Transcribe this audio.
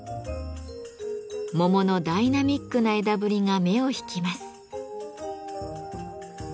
桃のダイナミックな枝ぶりが目を引きます。